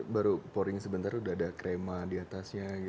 baru pouring sebentar udah ada krema diatasnya gitu